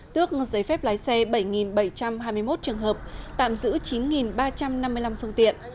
tước giấy phép lái xe bảy bảy trăm hai mươi một trường hợp tạm giữ chín ba trăm năm mươi năm phương tiện